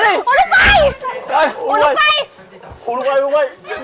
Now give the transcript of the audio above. หนูไกล